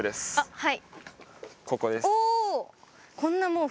はい。